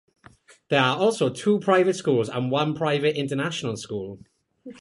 There are also two private schools and one private international school.